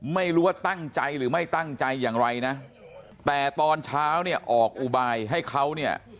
ไม่รู้ว่าตั้งใจหรือไม่ตั้งใจอย่างไรนะแต่ตอนเช้าเนี่ยออกอุบายให้เขาเนี่ย